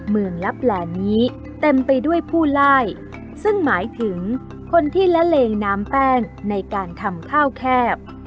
ลับแหล่นี้เต็มไปด้วยผู้ไล่ซึ่งหมายถึงคนที่ละเลงน้ำแป้งในการทำข้าวแคบ